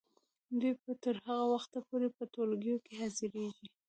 دوی به تر هغه وخته پورې په ټولګیو کې حاضریږي.